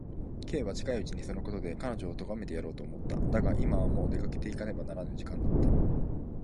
Ｋ は近いうちにそのことで彼女をとがめてやろうと思った。だが、今はもう出かけていかねばならぬ時間だった。